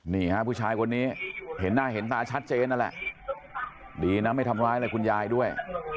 นี่ฮะผู้ชายคนนี้เห็นหน้าเห็นตาชัดเจนนั่นแหละดีนะไม่ทำร้ายอะไรคุณยายด้วย